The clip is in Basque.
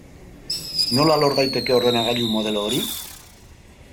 Nola lor daiteke ordenagailu modelo hori?